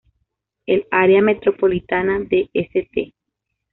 El área metropolitana de St.